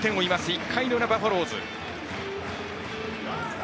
１回裏のバファローズ。